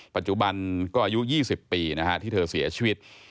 ปัจจุบันก็อายุ๒๐ปีนะฮะที่เธอเสียชีวิต